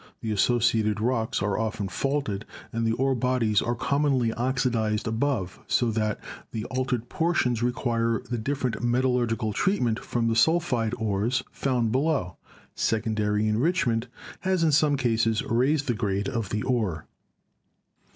The associated rocks are often faulted, and the ore bodies are commonly oxidized above so that the altered portions require different metal lurgical treatment from the sulphide ores found below. Secondary enrichment has in some cases raised the grade of the ore.